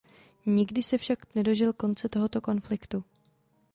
Nikdy se však nedožil konce tohoto konfliktu.